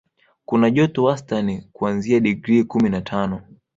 Kuna joto wastani kuanzia digrii kumi na tano